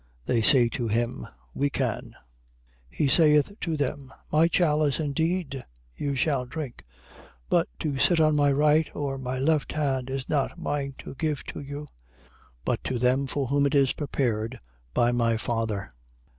They say to him: We can. 20:23. He saith to them: My chalice indeed you shall drink; but to sit on my right or left hand is not mine to give to you, but to them for whom it is prepared by my Father.